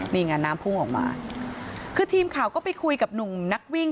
นี่ไงน้ำพุ่งออกมาคือทีมข่าวก็ไปคุยกับหนุ่มนักวิ่ง